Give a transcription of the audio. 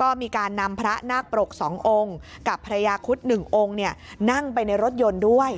ก็มีการนำพระนาคปรก๒องค์กับภรรยาคุด๑องค์นั่งไปในรถยนต์ด้วย